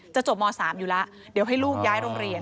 จบม๓อยู่แล้วเดี๋ยวให้ลูกย้ายโรงเรียน